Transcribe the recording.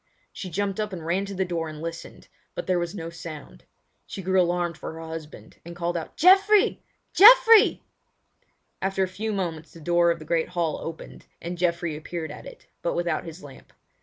She jumped up and ran to the door and listened, but there was no sound. She grew alarmed for her husband, and called out: "Geoffrey! Geoffrey!" After a few moments the door of the great hall opened, and Geoffrey appeared at it, but without his lamp.